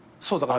そう。